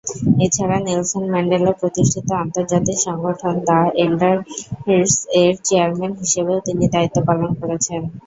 এছাড়া Nelson Mandela প্রতিষ্ঠিত আন্তর্জাতিক সংগঠন দা এল্ডারস-এর চেয়ারম্যান হিসেবেও তিনি দায়িত্ব পালন করেছেন।